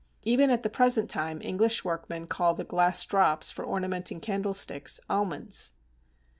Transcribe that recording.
Even at the present time English workmen call the glass drops for ornamenting candlesticks almonds."